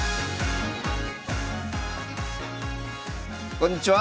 こんにちは！